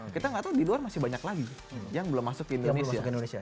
kita nggak tahu di luar masih banyak lagi yang belum masuk ke indonesia